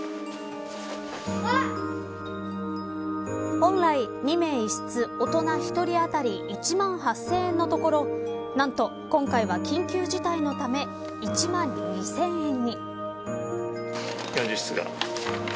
本来、２名１室大人１人あたり１万８０００円のところ何と今回は、緊急事態のため１万２０００円に。